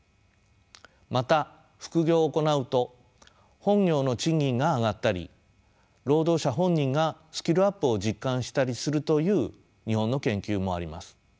また副業を行うと本業の賃金が上がったり労働者本人がスキルアップを実感したりするという日本の研究もあります。